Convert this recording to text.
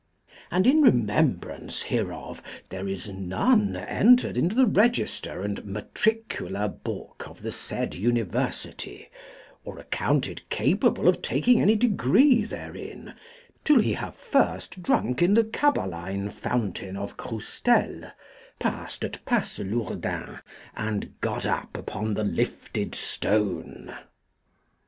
And in remembrance hereof there is none entered into the register and matricular book of the said university, or accounted capable of taking any degree therein, till he have first drunk in the caballine fountain of Croustelles, passed at Passelourdin, and got up upon the lifted stone.